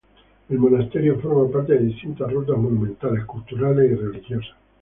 El monasterio forma parte de distintas rutas monumentales, culturales y religiosas.